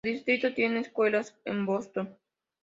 El distrito tiene escuelas en Boston.